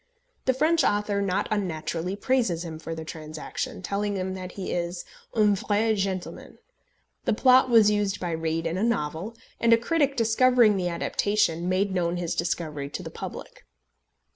The French author not unnaturally praises him for the transaction, telling him that he is "un vrai gentleman." The plot was used by Reade in a novel; and a critic discovering the adaptation, made known his discovery to the public.